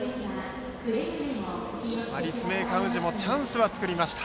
立命館宇治もチャンスは作りました。